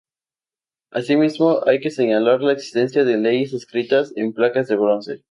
Asimismo hay que señalar la existencia de leyes escritas en placas de bronce.